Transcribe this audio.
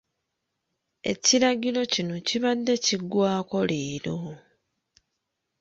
Ekiragiro kino kibadde kiggwaako leero.